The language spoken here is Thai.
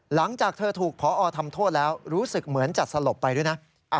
หลังจากเธอถูกพอทำโทษแล้วรู้สึกเหมือนจะสลบไปด้วยนะ